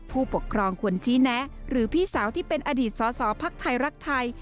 ผู้ปกครองควรชี้แนะหรือพี่สาวที่เป็นอดีตสอสอภักดิ์ไทยรักไทย